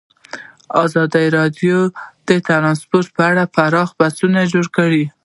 ازادي راډیو د ترانسپورټ په اړه پراخ بحثونه جوړ کړي.